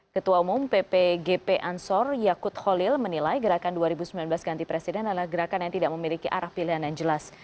ketua umum ppgp ansor yakut holil menilai gerakan dua ribu sembilan belas ganti presiden adalah gerakan yang tidak memiliki arah pilihan yang jelas